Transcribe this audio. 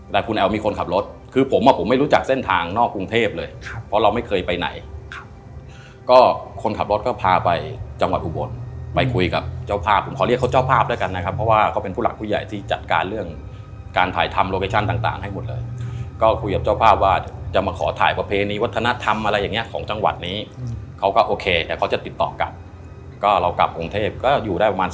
แต่คุณแอลมีคนขับรถคือผมอะผมไม่รู้จักเส้นทางนอกกรุงเทพเลยเพราะเราไม่เคยไปไหนก็คนขับรถก็พาไปจังหวัดอุบลไปคุยกับเจ้าภาพผมขอเรียกเขาเจ้าภาพด้วยกันนะครับเพราะว่าเขาเป็นผู้หลักผู้ใหญ่ที่จัดการเรื่องการถ่ายทำโลเกชชั่นต่างให้หมดเลยก็คุยกับเจ้าภาพว่าจะมาขอถ่ายประเพณีวัฒนธรรมอะไรอย